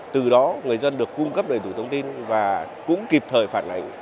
từ đó người dân được cung cấp đầy đủ thông tin và cũng kịp thời phản ảnh